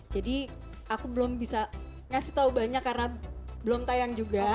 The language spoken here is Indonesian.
jadi aku belum bisa ngasih tau banyak karena belum tayang juga